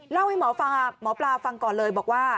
เล่าให้หมอปลาฟังก่อนเลยบอกว่า